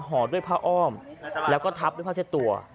ห่อด้วยผ้าอ้อมแล้วก็ทับด้วยผ้าเช็ดตัว